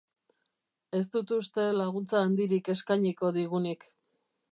Ez dut uste laguntza handirik eskainiko digunik.